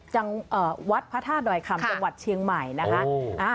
จังหวัดพระธาตุดอยคำจังหวัดเชียงใหม่นะคะ